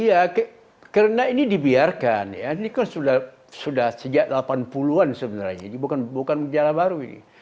iya karena ini dibiarkan ya ini kan sudah sejak delapan puluh an sebenarnya jadi bukan gejala baru ini